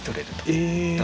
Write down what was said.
え。